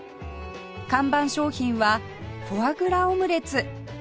看板商品はフォアグラオムレツ